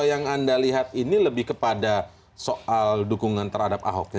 jadi ini lebih kepada soal dukungan terhadap ahoknya